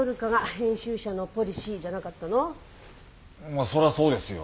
まあそりゃそうですよ。